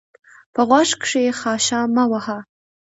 په غوږ کښي خاشه مه وهه!